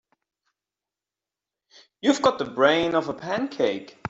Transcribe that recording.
You've got the brain of a pancake.